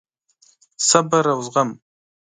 صبر او زغم: